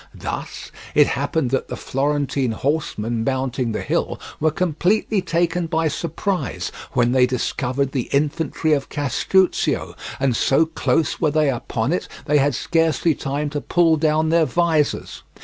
Thus it happened that the Florentine horsemen mounting the hill were completely taken by surprise when they discovered the infantry of Castruccio, and so close were they upon it they had scarcely time to pull down their visors.